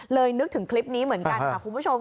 นึกถึงคลิปนี้เหมือนกันค่ะคุณผู้ชม